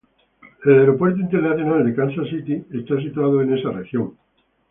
El aeropuerto internacional de Kansas City está situado en esa región.